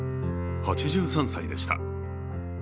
８３歳でした。